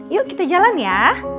yuk kita jalan ya